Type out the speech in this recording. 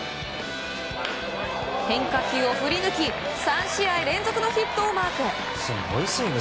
変化球を振り抜き３試合連続のヒットをマーク。